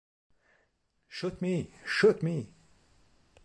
Shoot me, shoot me!